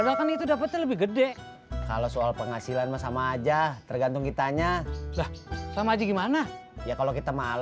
sampai jumpa di video selanjutnya